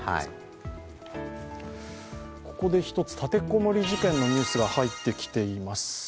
ここで１つ、立てこもり事件のニュースが入ってきています。